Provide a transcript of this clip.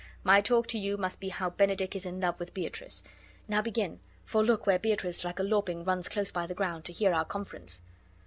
My talk to you must be how Benedick is in love with Beatrice. Now begin; for look where Beatrice like a lapwing runs close by the ground, to hear our conference."